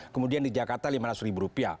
kemudian di jakarta lima ratus ribu rupiah